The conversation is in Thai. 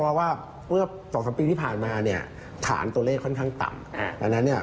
ครับว่าเมื่อ๒๓ปีที่ผ่านมาฐานตัวเลขค่อนข้างต่ำ